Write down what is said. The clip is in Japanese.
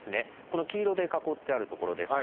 この黄色で囲ってある所です。